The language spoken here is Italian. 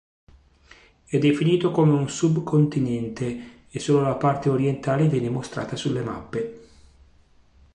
È definito come un subcontinente e solo la parte orientale viene mostrata sulle mappe.